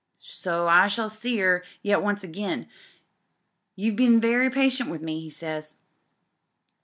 So I shall see *er yet once again. You've been very patient with me,' he says.